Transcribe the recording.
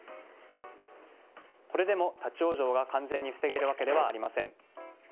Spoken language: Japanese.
これでも立ち往生が完全に防げるわけではありません。